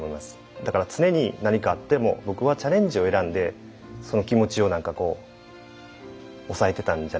だから常に何かあっても僕はチャレンジを選んでその気持ちを抑えてたんじゃないかなと思います。